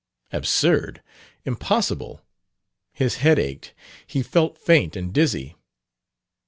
Absurd! Impossible! His head ached; he felt faint and dizzy....